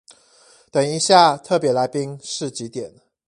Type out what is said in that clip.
等一下特別來賓是幾點？